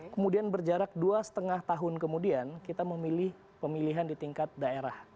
kemudian berjarak dua lima tahun kemudian kita memilih pemilihan di tingkat daerah